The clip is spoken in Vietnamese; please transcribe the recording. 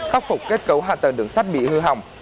khắc phục kết cấu hạ tầng đường sắt bị hư hỏng